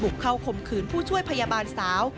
เข้าคมขืนผู้ช่วยพยาบาลสาว